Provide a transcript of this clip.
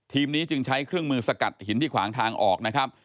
นี้จึงใช้เครื่องมือสกัดหินที่ขวางทางออกนะครับ